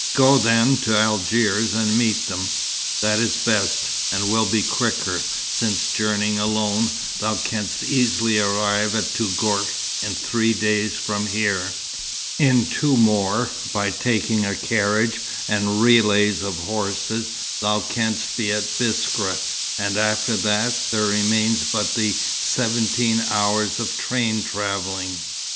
"Go then to Algiers, and meet them. That is best, and will be quicker, since journeying alone, thou canst easily arrive at Touggourt in three days from here. In two more, by taking a carriage and relays of horses, thou canst be at Biskra; and after that, there remains but the seventeen hours of train travelling."